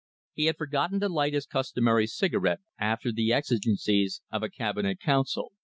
He had forgotten to light his customary cigarette after the exigencies of a Cabinet Council.